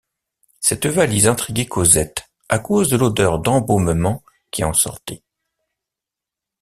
Cette valise intriguait Cosette, à cause de l’odeur d’embaumement qui en sortait.